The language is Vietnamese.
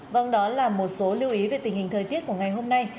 vâng đó là một số lưu ý về tình hình thời tiết của ngày hôm nay